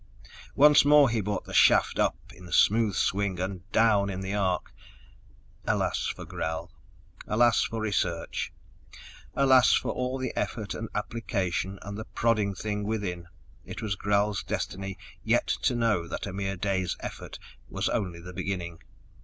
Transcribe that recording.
Once more he brought the shaft up in smooth swing and down in the arc.... Alas for Gral alas for research. Alas for all the effort and application and the prodding thing within. It was Gral's destiny yet to know that a mere day's effort was only the beginning.